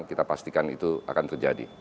kita pastikan itu akan terjadi